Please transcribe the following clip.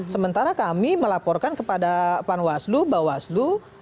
sementara kami melaporkan kepada pan waslu mbak waslu